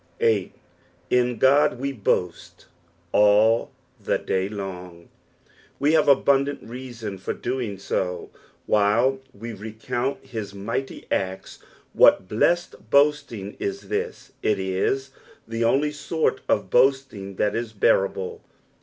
e. " In Ood ire boait all the day long." We have abuadsat reason for doing so while we recount his mighty acts. What blessed boasting is this I it is the only sort of boasting that is bearable.